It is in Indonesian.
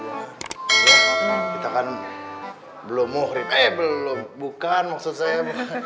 iya kita kan belum eh belum bukan maksud saya